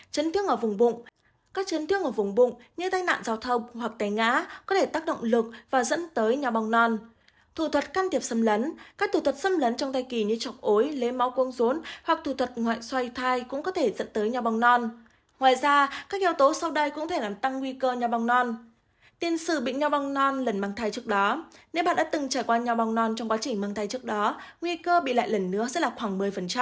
chấn tiếc ở vùng bụng các chấn tiếc ở vùng bụng như tai nạn giao thông hoặc tai ngã có thể tác động lực và dẫn tới nho bong non thủ thuật can thiệp xâm lấn các thủ thuật xâm lấn trong thai kỳ như chọc ối lấy máu cuống rốn hoặc thủ thuật ngoại xoay thai cũng có thể dẫn tới nho bong non ngoài ra các yếu tố sau đây cũng có thể làm tăng nguy cơ nho bong non tiền sử bị nho bong non lần mang thai trước đó nếu bạn đã từng trải qua nho bong non trong quá trình mang thai trước đó nguy cơ bị lại lần nữa sẽ là khoảng một mươi